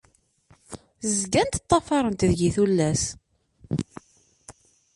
Zgant ṭṭafarent deg-i tullas.